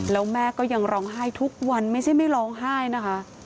แล้วแม่ก็ยังร้องไห้ทุกวันไม่ใช่ไม่ร้องไห้นะคะ